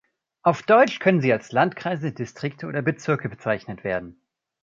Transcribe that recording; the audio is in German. Auf Deutsch können sie als Landkreise, Distrikte oder Bezirke bezeichnet werden.